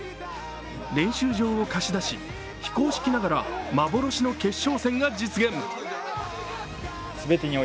練習場を貸し出し非公式ながら幻の決勝戦が実現。